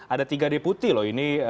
ada tiga deputi loh ini